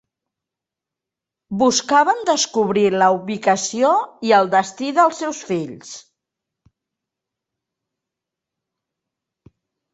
Buscaven descobrir la ubicació i el destí dels seus fills.